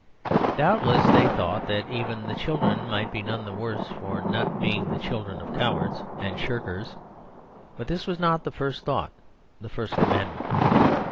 Doubtless they thought that even the children might be none the worse for not being the children of cowards and shirkers; but this was not the first thought, the first commandment.